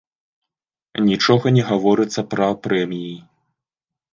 Нічога не гаворыцца пра прэміі.